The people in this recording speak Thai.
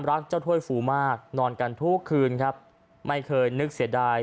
รักเจ้าถ้วยฟูมากนอนกันทุกคืนครับไม่เคยนึกเสียดาย